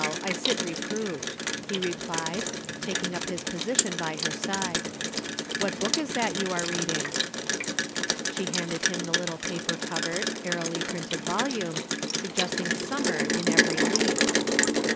I sit reproved," he replied, taking up his position by her side. "What book is that you are reading?" She handed him the little paper covered, airily printed volume, suggesting summer in every leaf.